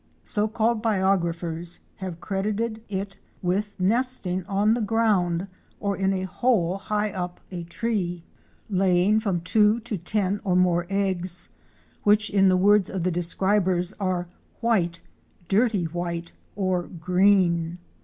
So called biographers have credited it with nesting on the ground or in a hole high up a tree; of 332 OUR SEARCH FOR A WILDERNESS. laying from two to ten or more eggs, which in the words of the describers are white, dirty white, or green!